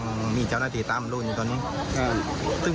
แล้วผมเป็นเพื่อนกับพระนกแต่ผมก็ไม่เคยช่วยเหลือเสียแป้ง